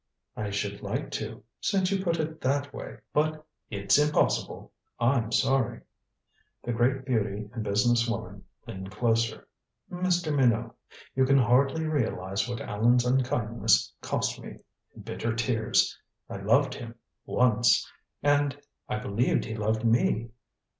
"I should like to since you put it that way but it's impossible. I'm sorry." The great beauty and business woman leaned closer. "Mr. Minot, you can hardly realize what Allan's unkindness cost me in bitter tears. I loved him once. And I believe he loved me."